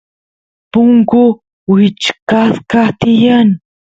punku wichqasqa tiyan